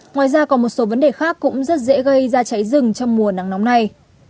ngoài ra còn một số vấn đề khác cũng rất dễ gây ra cháy rừng trong mùa nắng nóng này